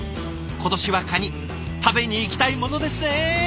今年はカニ食べに行きたいものですね！